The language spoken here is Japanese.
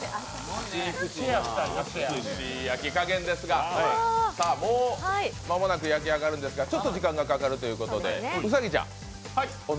おいしい焼き加減ですが、もう間もなく焼き上がるんですがちょっと時間がかかるということです。